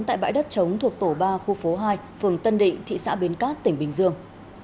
tại bãi đất chống thuộc tổ ba khu phố hai phường tân định thị xã bến cát tỉnh bình dương